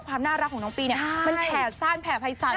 ความน่ารักของน้องปีเนี่ยมันแผลสั้นแผลไพรสั่น